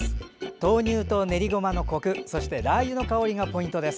豆乳と練りごまのコクそしてラー油の香りがポイントです。